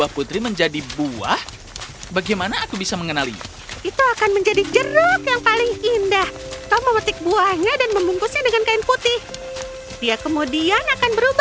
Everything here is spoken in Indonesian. ada putri untuk diselamatkan